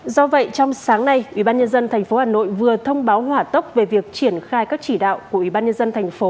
do vậy trong sáng nay ubnd tp hà nội vừa thông báo hỏa tốc về việc triển khai các chỉ đạo của ubnd tp